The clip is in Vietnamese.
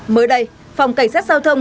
mới đây phòng cảnh sát giao thông